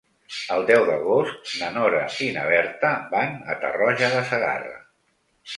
El deu d'agost na Nora i na Berta van a Tarroja de Segarra.